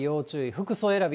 服装選び